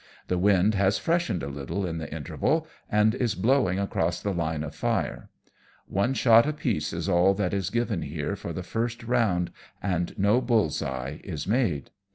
The wind has freshened a little in the interval, and is blowing across the line of fire. One shot apiece is all that is given here for the first round, and no bulFs eye is made.